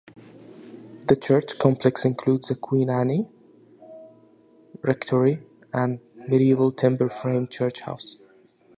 The church complex includes a Queen Anne Rectory and medieval timber-framed church house.